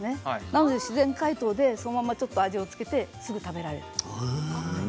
なので自然解凍でそのままちょっと味を付けてすぐ食べられる。